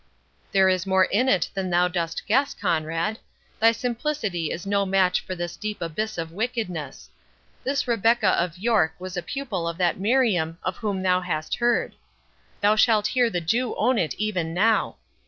"There is more in it than thou dost guess, Conrade; thy simplicity is no match for this deep abyss of wickedness. This Rebecca of York was a pupil of that Miriam of whom thou hast heard. Thou shalt hear the Jew own it even now."